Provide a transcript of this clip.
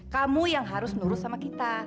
kamu yang harus nurut sama kita